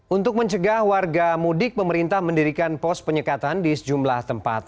untuk mencegah warga mudik pemerintah mendirikan pos penyekatan di sejumlah tempat